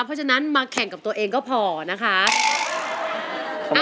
เพราะฉะนั้นมาแข่งกับตัวเองก็พอนะคะ